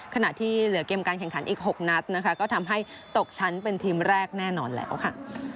ขณะที่เหลือเกมการแข่งขันอีก๖นัดนะคะก็ทำให้ตกชั้นเป็นทีมแรกแน่นอนแล้วค่ะ